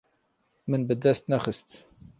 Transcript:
Min bi dest nexist.